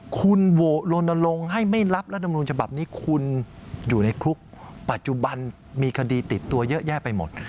คุณโหวตลนลงให้ไม่รับรัฐมนุนฉบับนี้คุณอยู่ในคุกปัจจุบันมีคดีติดตัวเยอะแยะไปหมด